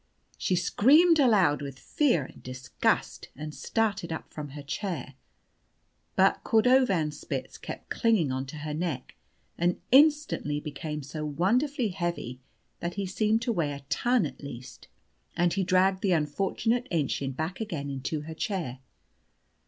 She screamed aloud with fear and disgust, and started up from her chair. But Cordovanspitz kept clinging on to her neck, and instantly became so wonderfully heavy that he seemed to weigh a ton at least, and he dragged the unfortunate Aennchen back again into her chair.